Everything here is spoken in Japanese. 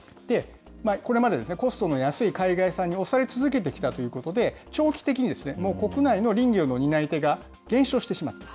これまでコストの安い海外産に押され続けてきたということで、長期的に国内の林業の担い手が減少してしまっている。